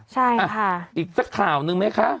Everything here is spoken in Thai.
ใช่ค่ะอีกสักข่าวนึงไหมคะ